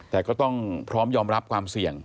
แต่ก็ต้องพร้อมยอมรับความเสี่ยง